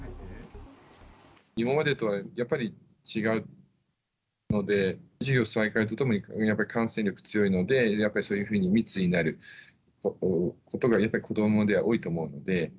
今までとはやっぱり違うので、授業再開とともにやっぱり感染力強いので、やっぱりそういうふうに密になることがやっぱり子どもでは多いと思うので。